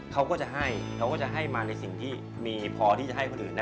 เขาก็จะให้มาในสิ่งที่มีพอที่จะให้คนอื่น